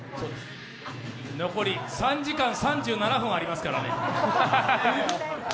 残り３時間３７分ありますからね。